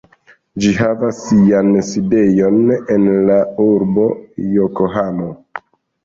Ĝi havas sian sidejon en la urbo Jokohamo.